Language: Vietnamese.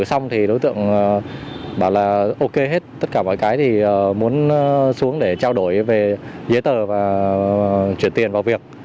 xong thì đối tượng bảo là ok hết tất cả mọi cái thì muốn xuống để trao đổi về giấy tờ và chuyển tiền vào việc